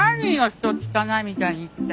人を汚いみたいに言って。